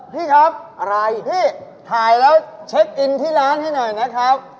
พี่ครับอะไรพี่ถ่ายแล้วเช็คอินที่ร้านให้หน่อยนะครับ